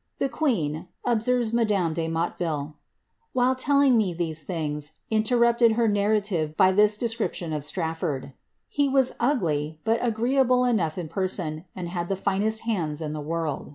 '^ The queen," observes madame de Motteville, ^ while telling me these things, interrupted her narrative by this description of Straflbrd. ^ He was ugly, but agreeable enough in person, and had the finest hands in the world.'